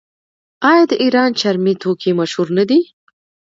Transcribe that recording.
آیا د ایران چرمي توکي مشهور نه دي؟